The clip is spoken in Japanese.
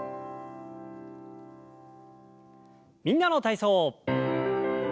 「みんなの体操」。